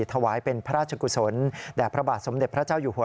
ถวายเป็นพระราชกุศลแด่พระบาทสมเด็จพระเจ้าอยู่หัว